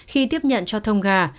khi tiếp nhận cho tôn nga